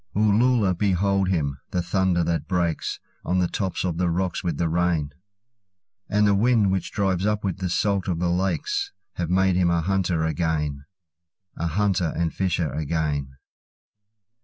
Uloola, behold him! The thunder that breaksOn the top of the rocks with the rain, And the wind which drives up with the salt of the lakes, Have made him a hunter again—A hunter and fisher again.